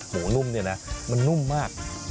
หมูนุ่มเนี่ยนะมันนุ่มมาก